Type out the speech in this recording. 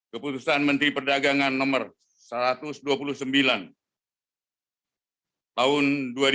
keputusan menteri perdagangan nomor satu ratus dua puluh sembilan tahun dua ribu dua puluh